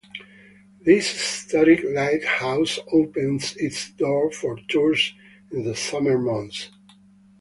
This historic lighthouse opens its doors for tours in the summer months.